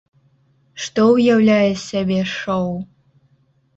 Што ўяўляе з сябе шоў?